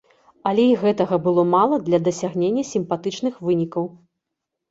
Але і гэтага было мала для дасягнення сімпатычных вынікаў.